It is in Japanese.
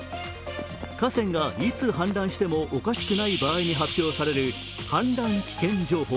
河川がいつ氾濫してもおかしくない場合に発表される氾濫危険情報。